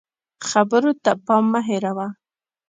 خبرو ته پام مه هېروه